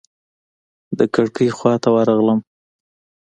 د کړکۍ خواته ورغلم.